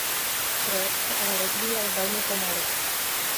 Projekt se ale rozvíjel velmi pomalu.